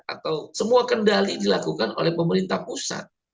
atau semua kendali dilakukan oleh pemerintah pusat